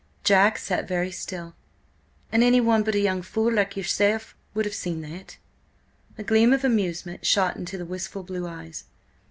Jack sat very still. "And anyone but a young fool like yourself would have seen that!" A gleam of amusement shot into the wistful blue eyes.